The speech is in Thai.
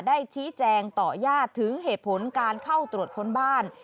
ได้ชี้แจงต่อญาติถึงเหตุผลการเข้าตรวจค้นบ้าน